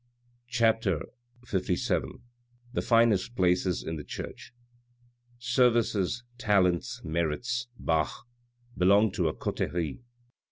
CHAPTER LVII THE FINEST PLACES IN THE CHURCH Services ! talents ! merits ! bah ! belong to a coterie.